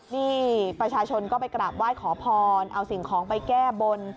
นี่ประชาชนก็ไปกราบไหว้ขอพรเอาสิ่งของไปแก้บน